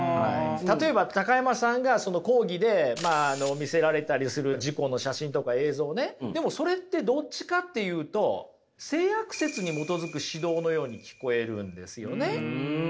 例えば高山さんがその講義で見せられたりする事故の写真とか映像ねでもそれってどっちかっていうと性悪説に基づく指導のように聞こえるんですよね。